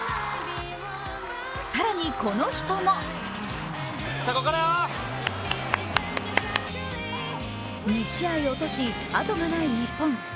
更にこの人も２試合を落とし、あとがない日本。